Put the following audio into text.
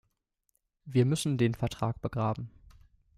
Wir müssen den Vertrag begraben.